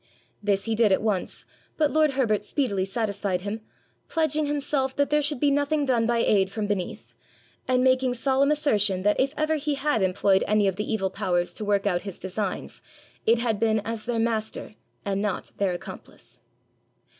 This he did at once; but lord Herbert speedily satisfied him, pledging himself that there should be nothing done by aid from beneath, and making solemn assertion that if ever he had employed any of the evil powers to work out his designs, it had been as their master and not their accomplice.